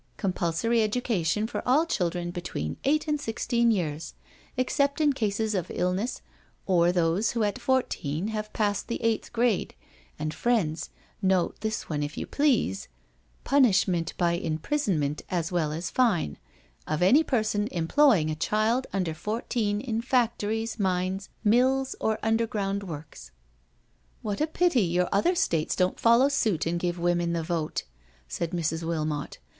Compulsory education for all children between eight CANTERBURY TALES 109 and sixteen years, except in cases of illness or those who at fourteen have passed the 8th grade, and, friends, note this one if you please, punishment by imprison' ment as well as fine, of any person employing a child under fourteen in factories, mines, mills, or under ground works.*' " What a pity your other States don't follow suit and give women the vote," said Mrs. Wilmot.